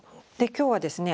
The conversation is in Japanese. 今日はですね